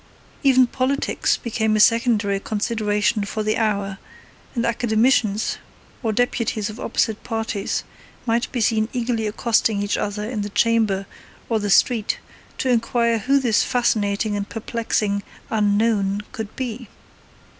Even politics became a secondary consideration for the hour, and academicians or deputies of opposite parties might be seen eagerly accosting each other in the Chamber or the street to inquire who this fascinating and perplexing 'unknown' could be.